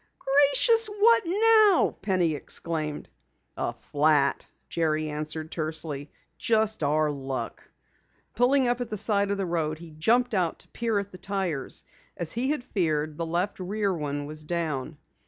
"Gracious! What now?" Penny exclaimed. "A flat," Jerry answered tersely. "Just our luck." Pulling up at the side of the road, he jumped out to peer at the tires. As he had feared, the left rear one was down.